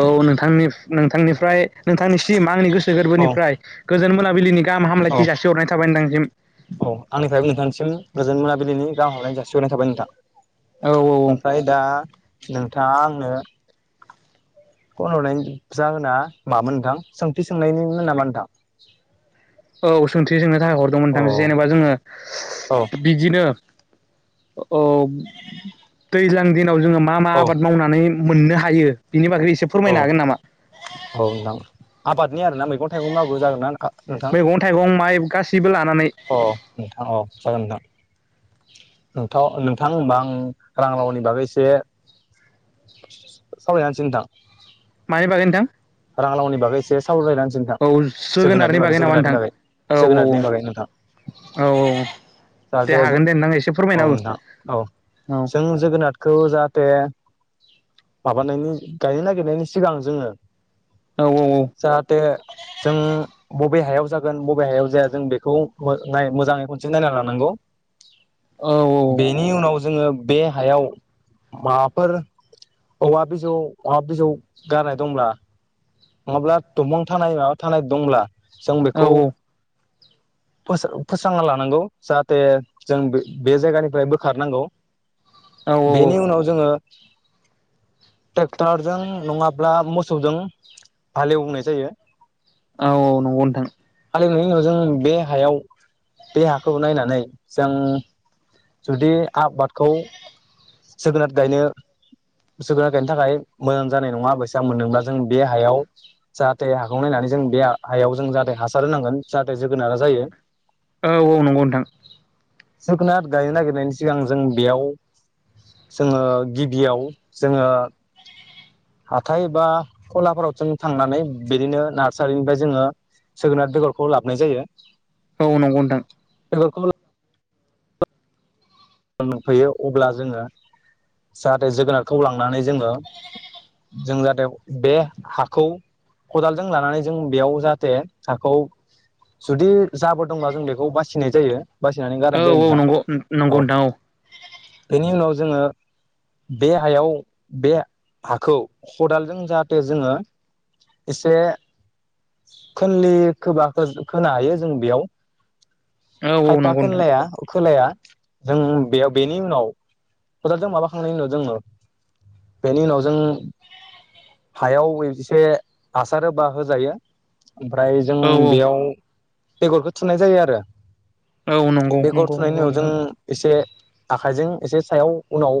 औ नोंथांनि नोंथांनिफ्राय नोंथांनिसिम आंनि गोसो औ गोरबोनिफ्राय गोजोन मोनाबिलिनि गाहाम औ हामलायथि जासिहरनाय थाबाय नोंथांनिसिम औ आंनिफ्रायबो नोंथांसिम गोजोन मोनाबिलिनि गांहाम हामलायनाय जासिहरनाय थाबाय औ नोंथां औ ओमफ्राय दा नोंथाङा आंनो [inaudible] फन हरनाय जाहोना मामोन नोंथां सोंथि सोंनायनिमोन नामा नोंथां औ सोंथि सोंनो थाखाय हरदोंमोन अ नोंथां जेनेबा जोङो औ बिदिनो औ दैज्लां दिनाव जोङो मा मा औ आबाद मावनानै मोननो हायो बिनि बागै एसे औ फोरमायनो हागोन नामा नि आरोना मैग थाइगं माबो जागोना नोंथां मैगं थाइगं माइ गासैबो लानानै अ नोंथां औ जागोन नोंथां नोथ नोंथां होनबा आं रां रावनि बागैसे सावरायना होनोसै नोंथां मानि बागोन नोंथां रां लावनि बागै सेस सावरायलायनांसिगोन नोंथां औ जोगोनारनि बागै नामा जोगोनारनि नोंथां बागै औ जोगोनारनि बागै नोंथां औ दे जाहाथे हागोन दे नोंथां एसे फोरमायना औ हो नोंथां औ औ जों जोगोनार खौ जाहाथे माबानायनि गायनो नागिरनायनि सिगां जोङो औ जाहाथे जों बबे हायाव जागोन बबे हायाव जाया जों बेखौनाय मोजाङै खनसे नायना लानांगौ औ बेनि उनाव जोङो बे हायाव माबाफोर औवा बिजौ औवा बिजौ गारनाय दंब्ला नङाब्ला दंफां थानाय माबा थानाय दंब्ला जों औ बेखौ फोस्रांना लानांगौ जाहाथे जों बे बे जायगानिफ्राय बोखारनांगौ औ औ बेनि उनाव जोङो। ट्रेक्टारजों नङाब्ला मोसौजों हालेवनाय जायो। औ औ नंगौ नोंथां। नायनि उनाव जों बे हायाव बे हाखौ नायनानै जों जुदि आबादखौ जोगोनार गायनो जोगोनार गायनि थाखाय मोजां जानाय नङा बेसे आां मोनदोंब्ला जों बे हायाव जाहाथे हाखौ नायनानै जों बे हायाव जों जाहाथे हासार होनांगोन जाहाथे जोगोनारा जायो। औ औ नंगौ नोंथां। जोगोनारार गायनो नागिरनायनि सिगां जों बेयाव जोङो गिबियाव जोङो हाथाय बा खलाफोराव जों थांनानै बिदिनो नार्सारिनिफ्राय जोङो जोगोनार बेगरखौ लाबोनाय जायो औ नंगौ नोंथां [unintelligible] फैयो अब्ला जोङो जाहाथे जोगोनारखौ लांनानै जोङो जों जाहाथे बे हाखौ खदालजों लानानै जों बेयाव जाहाथे हाखौ जुदि जाबोदोंब्ला जों बेखौ बासिनाय जायो बासिनानै औ गारनाय जायो औ नोंथां नंगौ नंगौ औ नोंथां बेनि उनाव जोङो बे हायाव बे हाखौ खदालजों जाहाथे जोङो एसे खोनलि खोबा खोनानो हायो जों बेयाव औ औ खायफा नंगौ नोंथां खोलाया जों बेयाव बेनि उनाव खदाल जों माबाखांनायनि उनाव जोङो बेनि उनाव जों हायाव एसे हासार एोबा होजायो ओमफ्राय जों औ बेयाव बेगरखौ थुनाय जायो आरो औ औ नंगौ बेगर नंगौ थुनायनि नंगौ उनाव जों नोंथां एसे आखाइजों एसे सायाव उनाव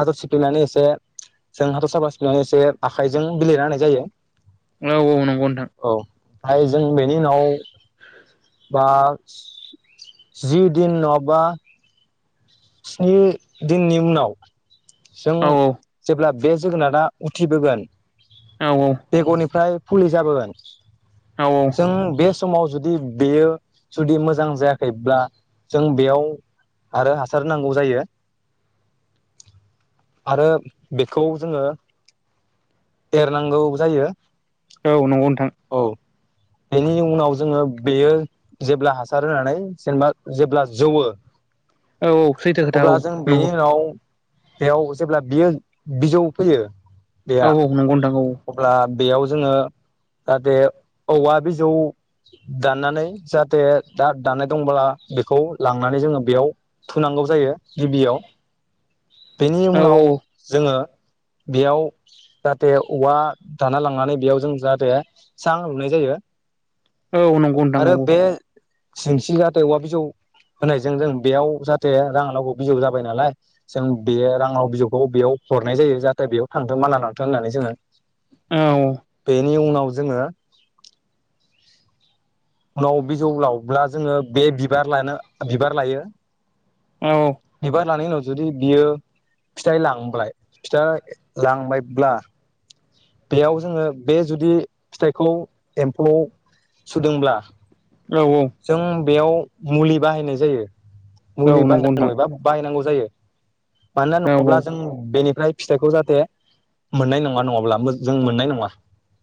हादर सिफ्लेनानै एसे जोंहाथ'रखौ साफा सिलेना एसे आखाइजों बिलाइना होनाय जायो औ औ नंगौ नोंथां। हाय जों बेनि उनाव बा जि दिन नङबा स्नि दिननि उनाव जों औ जेब्ला बे जोगोनारा उथिबोगोन औ बेगरनिफ्राय फुलि जाबोगोन औ जों बे समाव जुदि बेयो जुदि मोजां जायाखैब्ला जों बेयाव आरो हा सार नांगौ जायो। आरो बेखौ जोङो एरनांगौ जायो औ नंगौ नोंथां। औ बेनि उनाव जोङो बेयो जेब्ला हासार होनानै जेनेबा जेब्ला जौवो औ औ सैथो खोथा औ अब्ला जों बेनि नंगौ उनाव बेयाव जेब्ला बियो बिजौ फैयो बेहा औ औ नंगौ नोंथां औ अब्ला बेयाव जोङो जाहाथे औवा बिजौ दाननानै जाहाथे दा दाननाय दंब्ला बेखौ लांनानै जोङो बेयाव थुनांगौ जायो गिबियाव बेनि औ उनाव जोङो बेयाव जाहाथे औवा दानना लांनानै बेयाव जों जाहाथे सां लुनाय जायो यो औ नंगौ नोंथां औ - औ सिंसि जाहाथे औवा बिजौ होनायजों जों बेयाव जाहाथे जाहाथे रांलाव बिजौ जाबाय नालाय जों बे रांआव बिजौखौ बेयाव हरनाय जायो जाहाथे बेयाव थांथों माना लांथों होननानै जोङो नोंथां औ औ बेनि उनाव जोङो [inaudible] उनाव बिजौ लावब्ला जोङो बे बिबार लानो बिबार लायो बेबार लानायनि उनाव जुदि बियो फिथाइ लांबाय फिथा लांबायब्ला बेयाव जोङो बे जुदि फिथाइखौ एम्फौ सुदोंब्ला औ -औ जों बेयाव मुलि बाहायनाय जायो मुलि बाहायनांगौ एबा बाहायनांगौ जायो मानोना नङाब्ला जों बेनि फिथाइखौ जाहाथे मोननाय नङा नङाब्ला जों मोननाय नङा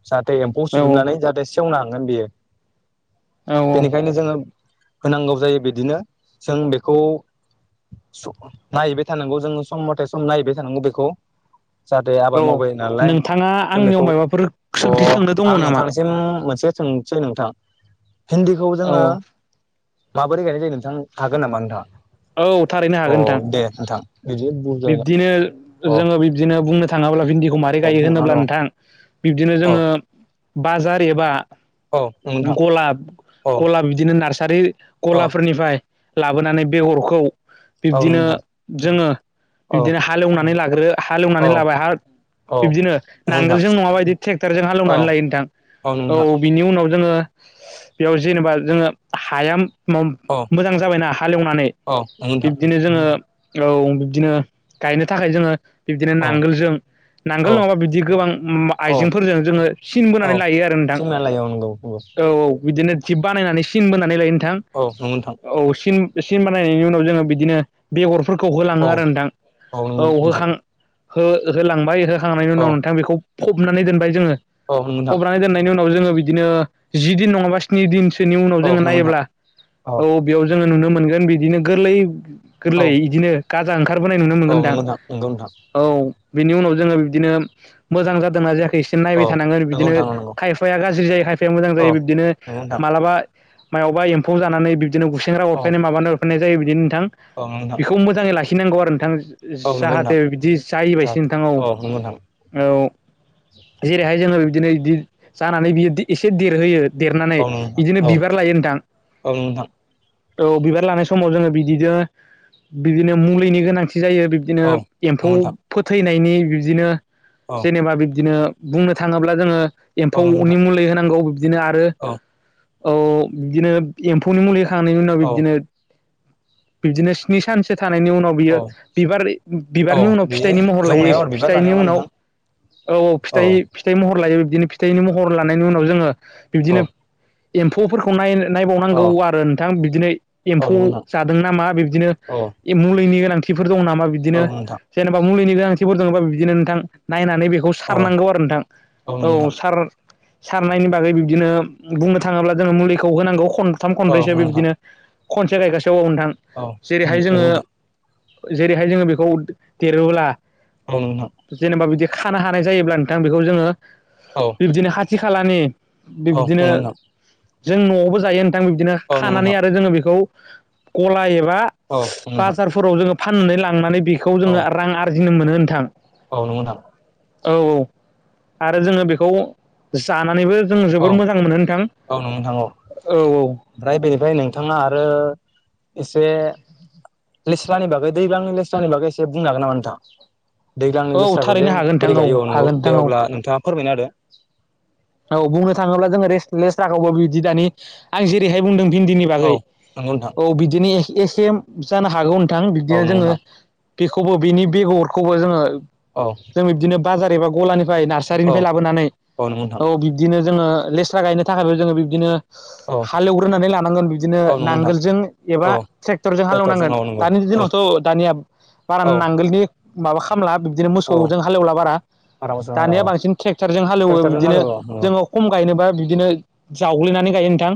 जाहाथे एम्फौ सुजोबनानै जाहाथे सेवनो हांगोन बेयो बेनिखायनो जोङो होनांगौ जायो बिदिनो जों बेखौ खौ नायहैबाय थानांगौ जों सम मथे सम नायहैबाय थानांगौ बेखौ जाहाथे आबाद औ मावबाय नालाय नोंथाङा जों आंनियाव बेखौ माबाफोर अ सोंथि सोंनो दङ आं नामा नोंथांनिसिम मोनसे सोंसै नोंथां हिन्दीखौ औ जोङो माबोरै गायनाय जायो नोंथां हागोन नामा नोंथां औ थारैनो हागोन नोंथां नोंथां बिदि बुजाय बिब्दिनो अ जोङो बिब्दिनो बुंनो थाङोब्ला भिन्दिखौ मारै अ गायो बुंना होनोब्ला दं नोंथां बिब्दिनो अ जोङो बाजार एबा औ नोंथां गलाब अ गलाब बिदिनो नारसारि अ गलाफोरनिफ्राय लाबोनानै बेगरखौ औ बिब्दिनो नोंथां जोङो औ बिबदिनो हाालेवनानै लाग्रो औ हालेवनानै लाबाय हा औ बिबदिनो नंगौ नोंथां नांगोलजों नङाबायदि ट्रेक्टरजों औ हालेवनानै लायो नोंथां औ बिनि उनाव जोङो बेयाव जेनेबा जोङो हाया मोजां जाबायना हालेवनानै अ नंगौ नोंथां ओ औ बिब्दिनो गायनो थाखाय जोङो बिब्दिनो औ नांगोलजों नांगोल औ नङाबा बिदि गोबां औ आइजेंफोरजों जोङो सिन बोनानै औ लायो आरो नोंथां सिमना लायो औ नंगौ नंगौ औ - औ बिदिनो जिप बानायनानै सिन बोनानै लायो नोंथां औ सिन सिन बानायनायनि उनाव जोङो बिदिनो बेगरफोरखौ होलाङो औ आरो नोंथां नंगौ औ नोंथां होखां होलांबाय होखांनायनि औ उनाव नोंथां बेखौ फबनानै दोनबाय जोङो औ नंगौ नोंथां खौ जोंङो बिदिनो जि दिन नङाबा स्नि दिन सोनि उनाव औ जोङो नंगौ नोंथां नायोब्ला औ बेयाव जोङो नुनो मोनगोन बिदिनो गोरलै गोरलै इदिनो गाजा ओंखारबोनाय नुनो मोनगोनदां नंगौ नोंथां औ नंगौ नोंथां नंगौ नोंथां औ बिनि उनाव जोङो बिदिनो मोजां जादोंना जायाखै एसे नायबाय औ थानांगोन नंगौ बिदिनो नोंथां औ नंगौ खायफाया गाज्रि जायो खायफाया मोजां जायो औ बिब्दिनो नंगौ नोंथां मालाबा मायावबा एम्फौ जानानै बिदिनो गुसेेंग्रा औ अरफैनाय माबानो अरफैनाय जायो बिदिनो नोंथां औ नंगौ नोंथां बेखौ मोजाङै लाखिनांगौ आरो नोंथां औ नंगौ जाहाथे नोंथां बिदि जायिबायसि जाहाथे नोंथां औ नंगौ नोंथां - औ जेरैहाय जोङो बिब्दिनो दि जानानै बियो एसे देरहोयो देरनानै औ बिदिनो नंगौ बिबार लायो नोंथां नोंथां औ बिबार लानाय समाव जोङो बिदिनो बिदिनो मुलिनि गोनांथि जायो बिब्दिनो औ नंगौ एम्फौ नोंथां फोथैनायनि बिब्दिनो औ जेनेबा बिब्दिनो बुंनो थाङोब्ला जोङो नंगौ एम्फौनि नोंथां मुलै होनांगौ बिब्दिनो आरो औ नंगौ नोंथां औ बिदिनो एम्फौनि मुलि होखांनायनि उनाव औ बिबदिनो बिब्दिनो स्नि सानसो थानायनि उनाव बियो औ बिबार औ बिबारनि उनाव बेयो फिथाइनि महर लायो जौनायाव आरो बिबार फिथाइनि लानायाव ना उनाव नोंथां औ औ फिथाइ फिथाइ महर लायो बिब्दिनो फिथाइनि महर लानायनि उनाव जोङो बिब्दिनो औ एम्फौफोरखौ नाय नायबावनांगौ औ आरो नोंथां बिदि औ एम्फौ नंगौ नोंथां जादों नामा बिब्दिनो औ मुलिनि गोनांथिफोर दं नामा बिब्दिनो औ नोंथां जेनेबा मुलिनि गोनांथिफोर दङबा बिब्दिनो नोंथां नायनानै नै बेखौ औ सारनांगौ आरो नोंथां नंगौ नोंथां औ सार सारनायनि बागै बिदिनो बुंनो थाङोब्ला जोंङो मुलिखौ होनांगौ खनथाम औ खनब्रैसो बे नोंथां बिदिनो खनसे गायगासिनो औ नोंथां औ जेरैहाय नंगौ जोङो नोंथां जेरैहाय जोङो बेखौ देरोब्ला औ नोंथां थानो हानाय जायोब्ला नोंथां बेखौ जोङो औ बिबदिनो खाथि खालानि औ बिब्दिनो नंगौ नोंथां जों नआवबो जायो नोंथां बिब्दिनो औ नंगौ खानानै आरो। जोङो बेखौ गला एबा‌ नोंथां बाजारफोराव‌ जोङो फाननानै लांनानै बेखौ औ जोङो रां आरजिनो मोनो नोंथां। औ नंगौ दां! औ औ आरो जोङो बेखौ जानानैबो जों औ जोबोर मोजां मोनो नोंथां औ औ। ओमफ्राय बेनिफ्राय नोंथाङा आरो एसे लेस्लानि बागै दैबांनि लेस्लानि बागै एसे बुंनो हागोन नामा नोंथां। औ दैज्लांनि औ लेस्राखौ जे थारैनो हागोन नोंथां बोरै गायो औ नंगौ हागोन नोंथां दे औ अब्ला नोंथाङा फोरमायना होदो औ बुंनो थाङोब्ला जोङो रेस्ट लेस्रा खौबो बिदि दानि आं जेरैहाय बुंदों। भिन्दिनि औ बागै नंगौ नोंथां औ बिदिनो एसे जानो हागौ नों थां औ बिब्दिनो नंगौ जोङो नोंथां बेखौबो बिनि बेगरखौबो जोङो औ जों बिब्दिनो बाजार एबा गलानिफ्राय औ नार्सारिनिफ्राय लाबोनानै औ नंगौ नोंथां औ बिब्दिनो जोङो लेस्रा गायनो थाखायबो जोङो बिब्दिनो औ हालेवग्रोनानै लानांगोन बिदिनो औ नंगौ नोंथां नांगोलजों एबा औ ट्रेक्टरजों हालेवनांगोन औ नंगौ दानि औ दिनावथ दानिया बारा औ नांगोलनि माबा खामला बिब्दिनो औ मोसौजों हालेवला बारा आरामसे दानिया हालेवो बांसिन ट्रेक्टरजों हालेवो ट्रेक्टरजों बिदिनो हालेवो औ जोङो कम गायनोबा बिब्दिनो जावग्लिनानै गायो नोंथां।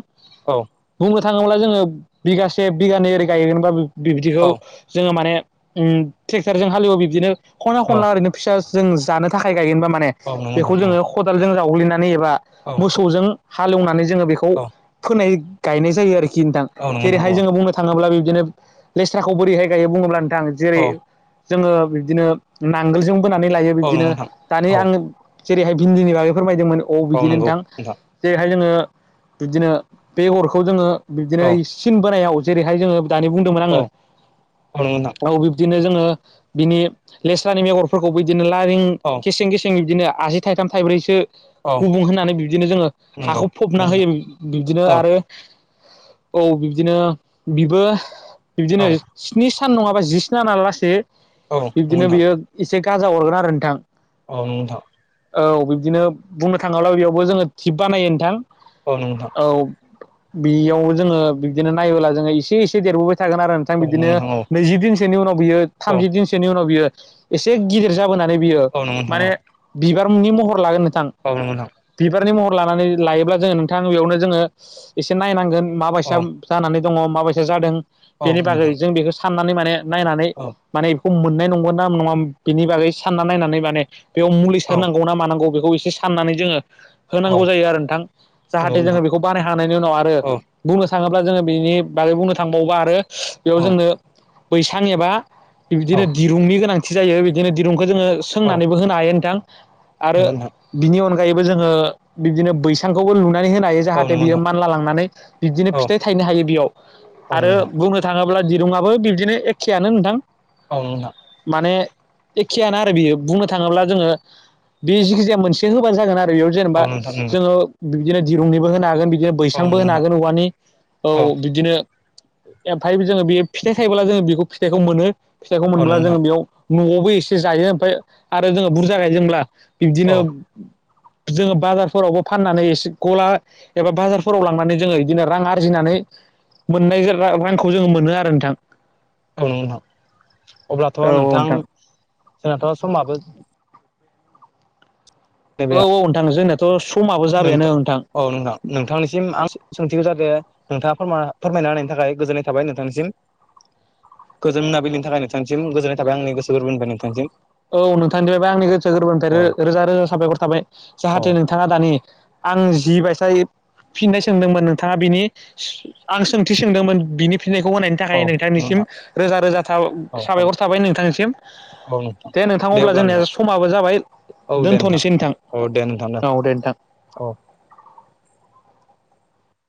औ बुंनो थाङोब्ला जोङो बिगासे बिगानै ओरै गायगोनबा नोंथां। बिब्दिखौ औ जोङो माने ट्रेक्टरजों हालेवो बिब्दिनो खनला औ खनला ओरैनो फिसा। जों जानो थाखाय गायगोनबा माने औ नंगौ बेखौ नोंथां औ जोङो खदालजों जावग्लिनानै एबा औ मोसौजों हालेवनानै जोङो बेखौ औ फोनाय गायनाय जायो आरोखि नोंथां औ नंगौ नोंथां जेरैहाय औ जोङो बुंनो थाङोब्ला बे बिदिनो लेस्राखौ बोरैहाय गायो बुङोब्ला नोंथां जेरै औ जोङो बिब्दिनो नांगोलजों बोनानै लायो औ बिब्दिनो नंगौ नोंथां दानि औ आं जेरैहाय भिन्दिनि बागै फोरमायदोंमोन औ बिदिनो नोंथां जेरैहाय जोङो बिदिनो बे हरखौ जोङो औ बिब्दिनो सिन बोनायाव जेरैहाय जोङो दानि बुंदोंमोन आङो औ नंगौ नोंथां औ बिब्दिनो जों जोङो बिनि लेस्रानि मेगरफोरखौबो बिदिनो लारिं औ गेसें गेसें बिब्दिनो आसि थाइथाम थाइब्रैसो औ गुबुं होननानै बिबदिनो जोङो नंगौ हाखौ फबना नोंथां होयो बिब्दिनो औ आरो औ बिब्दिनो बिबो औ बिब्दिनो स्नि सान नङाबा जिसाना ना लासेै औ नंगौ बिब्दिनो बियो एसे गाजा अरगोन आरो नोंथां। अ नंगौ नोंथां। औ बिब्दिनो बुंनो थाङोब्ला बेयावबो जोङो थिप बानायो नोंथां। ओ नंग नोंथां। औ बेयाव जोङो बिदिनो नायोब्ला जोङो एसे एसे देरबोबाय थागोन आरो नोंथां औ नंगौ बिदिनो औ नंगौ नोंथां औ नैजि दिनसोनि उनाव बि औ थामजि दिनसोनि उनाव बियो एसे गिदिर जा बोनानै बियो औ नंगौ माने नोंथां बिबार मुंनि महर लागोन नोंथां। [unintelligible] बिबारनि महर लानानै लायोब्ला जोङो नोंथां बेयावनो जोङो एसे नायनांगोन माबायसा औ जानानै दङ माबायसा जादों औ बेनि नंगौ बागै नोंथां जों बेखौ साननानै माने नायनानै औ माने मोननाय नंगौ ना नङा बेनि बागै सानना नायनानै माने बेयाव मुलि औ सारनांगौ ना मानांगौ बेखौ एसे फाननानै जोङो होनांगौ औ जायो आरो नोंथां। नंगौ जाहाथे जोङो नोंथां बेखौ बानाय हांनायनि उनाव आरो औ बुंनो थाङोब्ला जोङो बिनि बागै बुंनो थांबावोबा आरो बेयाव औ जोंनो बैसां एबा बिबदिनो दिरुंनि गोनां थि जायो बिदिनो दिरुंखौ जोङो औ सोंनानैबो होनो हायो नोंथां नंगौ आरो नोंथां बिनि अनगायैबो जोङो बिबदिनो बैसांखौबो लु नानै मोनो हायो औ जाहाथे नंगौ बियो नोंथां मानला लांनानै बिदिनो औ फिथाइ थायनो हायो बेयाव औ आरो नंगौ नोंथां बुंनो थाङो ब्ला दिरुङाबो बिबदिनो एखेआनो नोंथां। औ नोंथां माने एखेयानो आरो बेयो बुंनो थाङोब्ला जोङो बे जिखिजाया मोनसे होबानो जागोन आरो बेयाव औ जेनेबा नोंथां नंगौ जोङो बिदिनो दिरुंनिबो होनो हागोन बिदिनो औ बैसांबो नंगौ होनो नोंथां हागोन औवानि औ बिदिनो ओमफाय बि जोङो बे फिथाइ थायोबोला जोङो बेखौ फिथाइखौ मोनो। फिथाइखौ औ मोनब्ला नंगौ नोंथां जोङो बेयाव न'आवबो एसे जायो ओमफाय आरो जोङो बुरजा गायदोंब्ला औ बिबदिनो नंगौ जोङो बाजारफोरावबो फाननानै एसे गला एबा बाजारफोराव लांनानै जोङो इदिनो रां आरजिनानै मोननाय जो रां रांखौ जोङो मोनो आरो नोंथां। औ नोंथां अब्लाथ' औ औ नोंथां जोंनाथ' समाबो औ नैबे औ नोंथां जोंनायाथ' स नोंथां औ नोंथां नोंथांनिसिम आं सोंथिखौ जाहाथे नोंथाङा फोरमा फोरमायना होनायनि थाखाय गोजोननाय थाबाय नोंथांनिसिम‌ गोजोन मोनाबिनि थाखाय नोंथांसिम गोजोननाय थाबाय आंनि गोसो गोरबोनिफ्राय नोंथांनिसिम। औ नोंथांनिफ्रायबो आंनि गोसो गोरबोनिफ्राय रो अ रोजा रोजा साबायखर थाबाय अ जाहाथे नोंथाङा दानि आं जि बायसाय फिननाय सोंदोंमोन नोंथाङा बिनि सो आं सोंथि सोंदोंमोन बिनि फिननायखौ होनायनि थाखाय औ नोंथांनिसिम नोंथां रोजा रोजा साबाय औ साबायखर थाबाय नोंथांनिसिम। दे नोंथां अब्ला जोंनिया समाबो जाबाय। औ दे नोंथां दोनथ'नोसै नोंथां‌। औ दे नोंथां औ दे नोंथां। औ